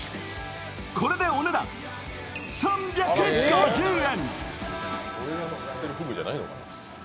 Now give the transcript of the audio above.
これでお値段３５０円！